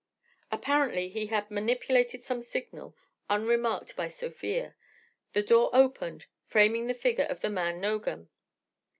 Apparently he had manipulated some signal unremarked by Sofia. The door opened, framing the figure of the man Nogam.